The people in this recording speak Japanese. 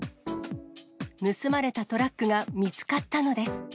盗まれたトラックが見つかったのです。